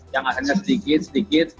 yang akhirnya sedikit sedikit